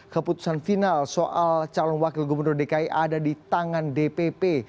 keputusan final soal calon wakil gubernur dki ada di tangan dpp